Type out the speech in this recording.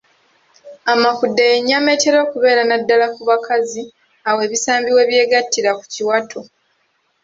Amakudde y’ennyama etera okubeera naddala ku bakazi awo ebisambi we byegattira ku kiwato.